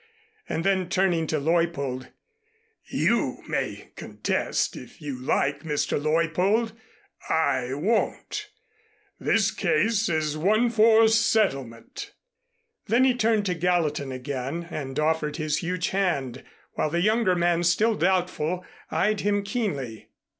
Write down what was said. And then turning to Leuppold: "You may contest, if you like, Mr. Leuppold. I won't. This case is one for settlement." Then he turned to Gallatin again, and offered his huge hand, while the younger man, still doubtful, eyed him keenly.